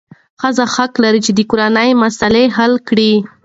ښځه حق لري چې د کورنۍ مسایل حل کړي.